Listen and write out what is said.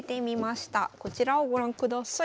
こちらをご覧ください。